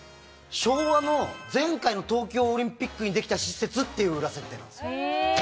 昭和の前回の東京オリンピックにできた施設っていう裏設定なんですよ。